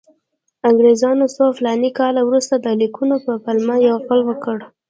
انګریزانو څو فلاني کاله وروسته د لیکونو په پلمه یرغل وکړ.